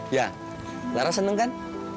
ya lara seneng kan